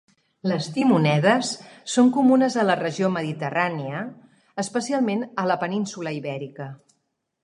Les timonedes són comunes a la regió mediterrània, especialment a la península Ibèrica.